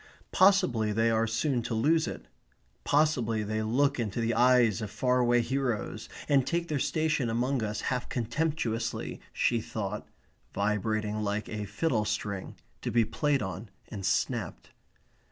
Possibly they are soon to lose it. Possibly they look into the eyes of faraway heroes, and take their station among us half contemptuously, she thought (vibrating like a fiddle string, to be played on and snapped).